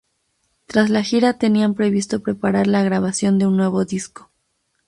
Tras la gira tenían previsto preparar la grabación de un nuevo disco.